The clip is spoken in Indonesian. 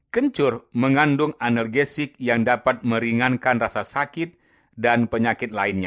kencur mengandung anargesik yang dapat meringankan rasa sakit dan penyakit lainnya